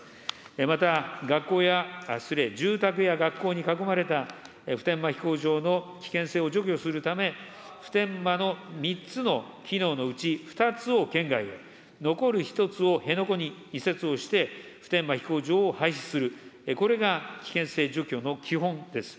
また学校や、失礼、住宅や学校に囲まれた普天間飛行場の危険性を除去するため、普天間の３つの機能のうち、２つを県外へ、残る１つを辺野古に移設をして、普天間飛行場を廃止する、これが危険性除去の基本です。